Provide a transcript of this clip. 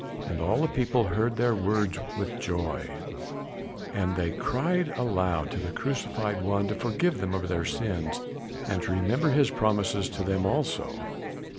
And all the people heard their words with joy; and they cried aloud to the Crucified One to forgive them their sins and to remember his promises to them also.